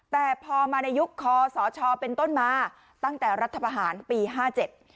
แต่พอมาในยุคคอสชเป็นต้นมาตั้งแต่รัฐประหารปีห้าเจ็ด